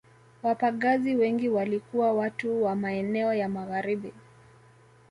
Wapagazi wengi walikuwa watu wa maeneo ya Magharibi